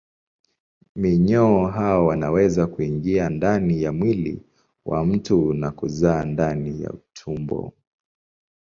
Minyoo hao wanaweza kuingia ndani ya mwili wa mtu na kuzaa ndani ya utumbo.